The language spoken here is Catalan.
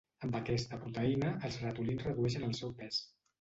Amb aquesta proteïna, els ratolins redueixen el seu pes.